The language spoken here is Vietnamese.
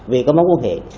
vì có mối quan hệ